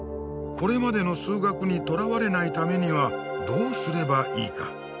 これまでの数学にとらわれないためにはどうすればいいか。